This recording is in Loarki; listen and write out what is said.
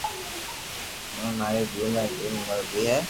اووي ماري جيم را جيم درزي ھي